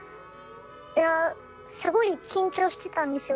いやすごい緊張してたんですよ。